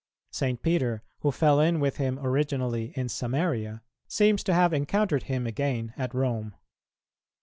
St. Peter, who fell in with him originally in Samaria, seems to have encountered him again at Rome.